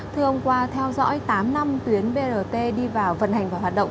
thưa ông qua theo dõi tám năm tuyến brt đi vào vận hành và hoạt động